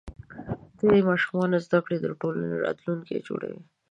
د ماشومانو زده کړه د ټولنې راتلونکی جوړوي.